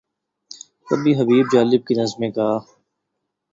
کبھی حبیب جالب کی نظمیں گا۔